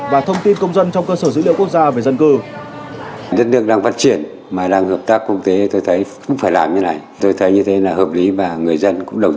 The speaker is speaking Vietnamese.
và thông tin công dân trong cơ sở dữ liệu quốc gia